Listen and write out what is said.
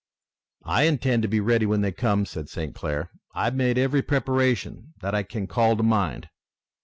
"I intend to be ready when they come," said St. Clair. "I've made every preparation that I can call to mind."